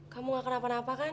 kamu gak kenapa napa kan